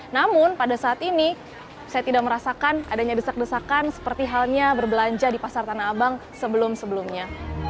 namun pada saat ini saya tidak merasakan adanya desak desakan seperti halnya berbelanja di pasar tanah abang sebelum sebelumnya